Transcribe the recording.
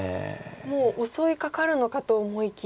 もう襲いかかるのかと思いきや。